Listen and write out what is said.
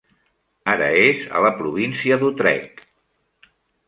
Ara és a la província d'Utrecht.